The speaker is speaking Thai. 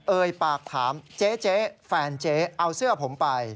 เอ่ยปากถามเจ๊แฟนเจ๊เอาเสื้อผมไป